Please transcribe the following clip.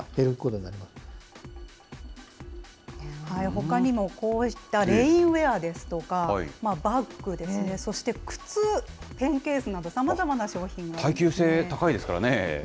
ほかにも、こういったレインウエアですとか、バッグですね、そして靴、ペンケースなど、さまざまな商品がありますね。